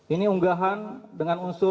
ini unggahan dengan unsur